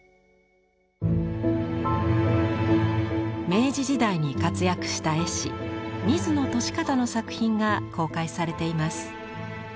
明治時代に活躍した絵師水野年方の作品が公開されています。